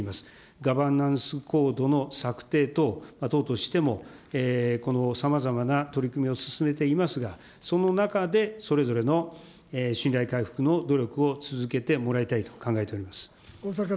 ガバナンス・コードの策定等、党としても、このさまざまな取り組みを進めていますが、その中で、それぞれの信頼回復の努力を続けてもらいたいと考えております。